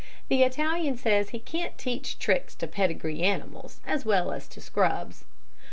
The Italian says he can't teach tricks to pedigree animals as well as to scrubs.